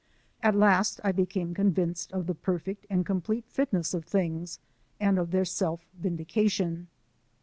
At last I became convinced of the per fect and complete fitness of things, and of their self vindication.